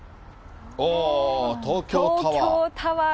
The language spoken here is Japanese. おー！東京タワー。